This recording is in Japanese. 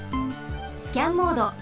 スキャンモード。